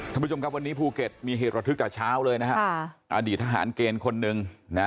ท่านผู้ชมครับวันนี้ภูเก็ตมีเหตุระทึกแต่เช้าเลยนะฮะอดีตทหารเกณฑ์คนหนึ่งนะ